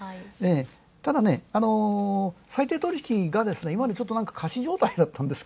ただ、裁定取引が今までちょっと仮死状態だったんですが、